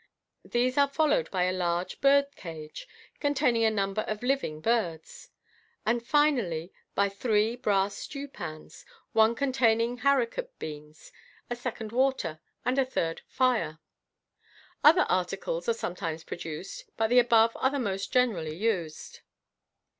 These are followed by a large bird cage, containing a number of living birds j and finally by three brass stew pans, one containing haricot beans ; a second, water j and a third, fire. Other articles are some times produced, but the above are those most generally used.